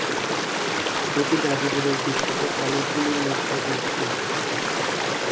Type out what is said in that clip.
এটি গাজীপুরের বিখ্যাত কলেজগুলির মধ্যে একটি।